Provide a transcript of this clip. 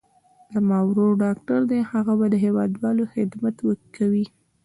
زما ورور ډاکټر دي، هغه به د هېوادوالو خدمت کوي.